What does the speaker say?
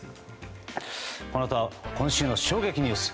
このあとは今週の衝撃ニュース。